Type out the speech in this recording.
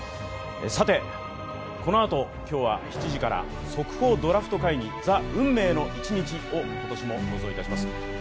さて、このあと今日は７時から「速報ドラフト会議ＴＨＥ運命の１日」を今年も放送いたします。